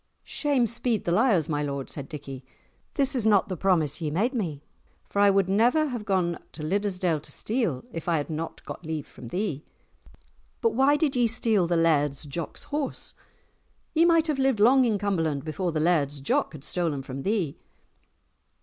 "Shame speed the liars, my lord," said Dickie, "this was not the promise ye made me, for I would never have gone to Liddesdale to steal if I had not got leave from thee." "But why did ye steal the Laird's Jock's horse? Ye might have lived long in Cumberland before the Laird's Jock had stolen from thee."